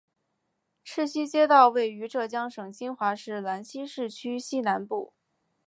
赤溪街道位于浙江省金华市兰溪市区西南部。